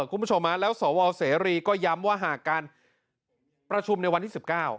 คุณผู้ชมแล้วสวเสรีก็ย้ำว่าหากการประชุมในวันที่๑๙